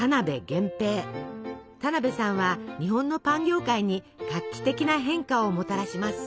田辺さんは日本のパン業界に画期的な変化をもたらします。